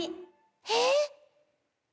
えっ？